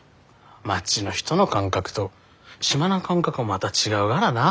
町の人の感覚と島の感覚もまた違うからな。